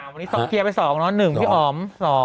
วันนี้เคลียร์ไปสองเนาะหนึ่งพี่อ๋อมสอง